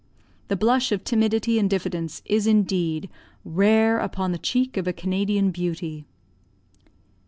The blush of timidity and diffidence is, indeed, rare upon the cheek of a Canadian beauty.